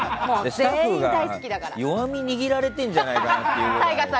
スタッフが弱み握られてるんじゃないかってぐらい。